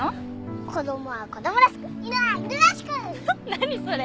何それ。